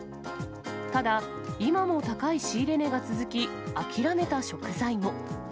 ただ、今も高い仕入れ値が続き、諦めた食材も。